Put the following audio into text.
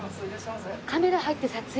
カメラ入って撮影。